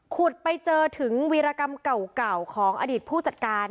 ขุดไปเจอถึงวีรกรรมเก่าของอดีตผู้จัดการ